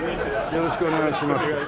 よろしくお願いします。